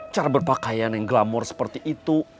cara berpakaian yang glamor seperti itu